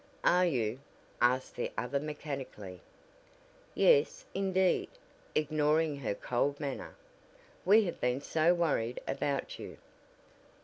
"Are you?" asked the other mechanically. "Yes, indeed," ignoring her cold manner, "we have been so worried about you."